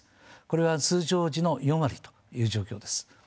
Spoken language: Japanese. これは通常時の４割という状況です。